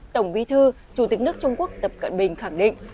tổng bí thư chủ tịch nước trung quốc tập cận bình khẳng định